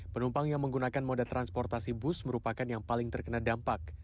penumpang yang menggunakan moda transportasi bus merupakan yang paling terkena dampak